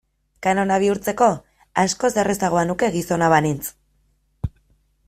Kanona bihurtzeko askoz errazagoa nuke gizona banintz.